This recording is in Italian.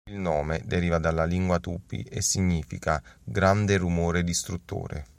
Il nome deriva dalla lingua tupi, e significa "grande rumore distruttore".